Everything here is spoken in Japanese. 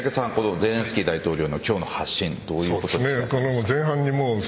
ゼレンスキー大統領の今日の発信どう思いますか。